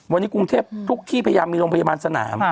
วันนี้กรุงเทพทุกที่พยายามมีโรงพยาบาลสนาม